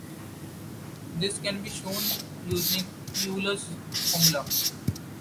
This can be shown using Euler's formula.